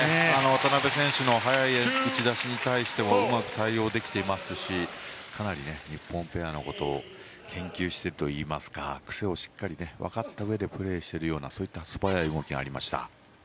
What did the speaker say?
渡辺選手の速い打ち出しに対してもうまく対応できていますしかなり日本ペアのことを研究しているといいますか癖をしっかり分かったうえでプレーしているようなそういった素早い動きがありました。